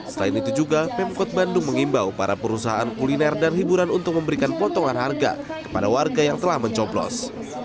selain itu juga pemkot bandung mengimbau para perusahaan kuliner dan hiburan untuk memberikan potongan harga kepada warga yang telah mencoblos